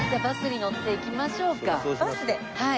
はい。